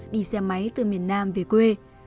đi xe máy từ miền nam về quê